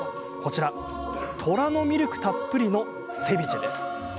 虎のミルクたっぷりのセビチェです。